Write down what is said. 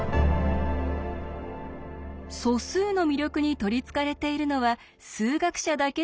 素数の魅力に取りつかれているのは数学者だけではありません。